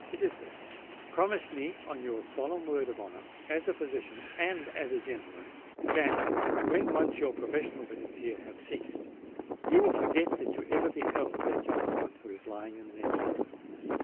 "It is this:—Promise me, on your solemn word of honour, as a physician and as a gentleman, that, when once your professional visits here have ceased, you will forget that you ever beheld that young woman who is lying in the next room.